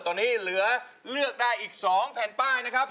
ตอนนี้เหลือเลือกได้อีก๒แผ่นป้ายนะครับ